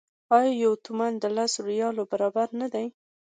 آیا یو تومان د لسو ریالو برابر نه دی؟